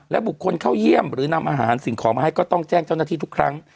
บุคคลเข้าเยี่ยมหรือนำอาหารสิ่งของมาให้ก็ต้องแจ้งเจ้าหน้าที่ทุกครั้ง